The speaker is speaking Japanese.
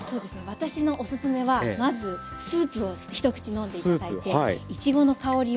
私のおすすめはまずスープを一口飲んで頂いていちごの香りを楽しんで下さい。